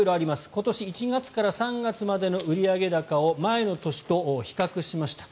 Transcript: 今年１月から３月までの売上高を前の年と比較しました。